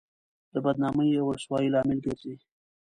د بدنامۍ او رسوایۍ لامل ګرځي.